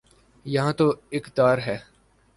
یہاں تو اقتدار ہے۔